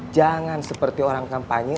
jangan seperti orang kampanye